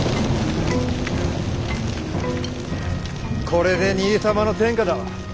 これで兄様の天下だわ。